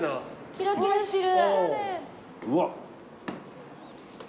キラキラしてる。